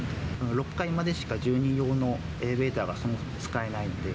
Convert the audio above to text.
６階までしか住人用のエレベーターがそもそも使えないので。